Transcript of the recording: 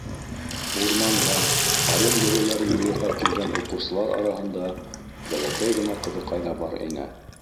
Урманға ҡайын бөрөләрен йыйырға килгән уҡыусылар араһында бәләкәй генә ҡыҙыҡай ҙа бар ине.